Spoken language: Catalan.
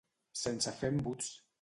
Sense fer embuts.